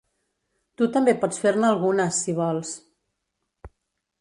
Tu també pots fer-ne algunes, si vols.